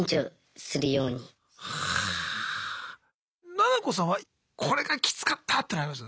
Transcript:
ななこさんはこれがキツかったっていうのあります？